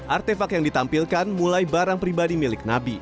artefak yang ditampilkan mulai barang pribadi milik nabi